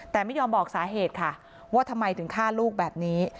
แต่ไม่ยอมบอกสาเหตุค่ะว่าทำไมถึงฆ่าลูกแบบนี้